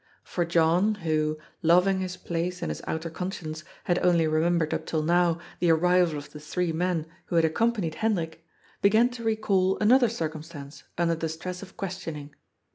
For John, who, loving his place and his outer conscience, had only remembered up till now the arrival of the three men who had accompanied Hendrik, began to recall another circumstance under the stress of questioning.